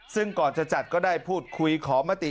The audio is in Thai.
ซึ่งก่อนจะจัดก็ได้พูดคุยขอมติ